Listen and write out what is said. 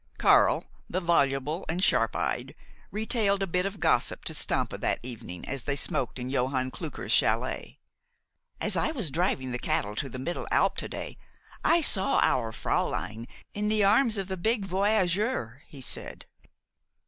Karl, the voluble and sharp eyed, retailed a bit of gossip to Stampa that evening as they smoked in Johann Klucker's chalet. "As I was driving the cattle to the middle alp to day, I saw our fräulein in the arms of the big voyageur," he said.